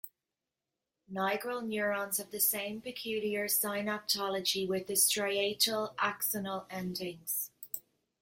Nigral neurons have the same peculiar synaptology with the striatal axonal endings.